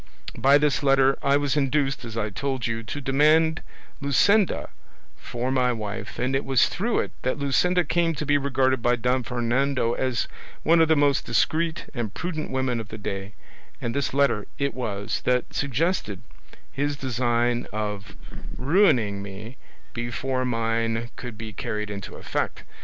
"By this letter I was induced, as I told you, to demand Luscinda for my wife, and it was through it that Luscinda came to be regarded by Don Fernando as one of the most discreet and prudent women of the day, and this letter it was that suggested his design of ruining me before mine could be carried into effect.